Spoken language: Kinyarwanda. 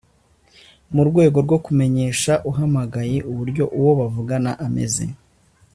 mu rwego rwo kumenyesha uhamagaye uburyo uwo bavugana ameze